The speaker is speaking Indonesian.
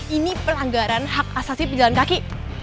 ini pelanggaran hak asasi pejalan kaki